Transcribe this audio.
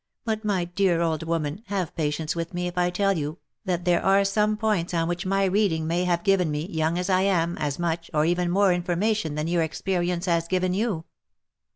But, my dear old woman, have patience with me if I tell you that there are some points on which my reading may have given me, young as I am, as much, or even more information than your ex perience has given you.